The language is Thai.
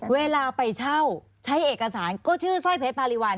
เวลาไปเช่าใช้เอกสารก็ชื่อสร้อยเพชรพาริวัล